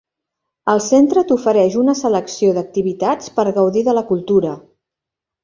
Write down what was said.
El centre t'ofereix una selecció d'activitats per gaudir de la cultura.